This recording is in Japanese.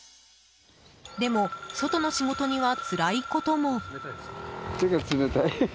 でも、外の仕事にはつらいことも。